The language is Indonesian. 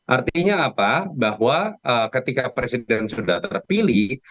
artinya apa bahwa ketika presiden sudah terpilih